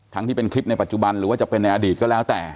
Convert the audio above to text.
ที่เป็นคลิปในปัจจุบันหรือว่าจะเป็นในอดีตก็แล้วแต่